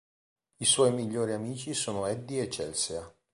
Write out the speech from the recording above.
I suoi migliori amici sono Eddy e Chelsea.